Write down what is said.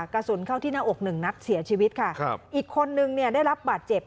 กระสุนเข้าที่หน้าอกหนึ่งนัดเสียชีวิตค่ะครับอีกคนนึงเนี่ยได้รับบาดเจ็บ